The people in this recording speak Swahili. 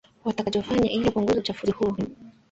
watakachofanya ili kupunguza uchafuzi huo